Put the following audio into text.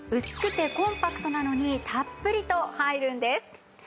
薄くてコンパクトなのにたっぷりと入るんです。